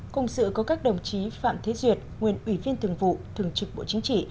cùng sự có các đồng chí phạm thế duyệt nguyên ủy viên thường vụ thường trực bộ chính trị